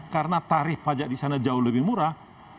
karena tarif pajak di sana jauh lebih murah